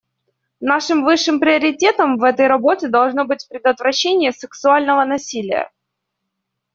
Нашим высшим приоритетом в этой работе должно быть предотвращение сексуального насилия.